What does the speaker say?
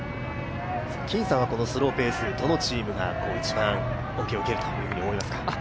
金さんはこのスローペースどのチームが一番恩恵を受けると思いますか？